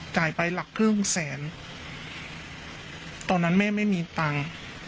จ่ายไปหลักครึ่งแสนตอนนั้นแม่ไม่มีตังค์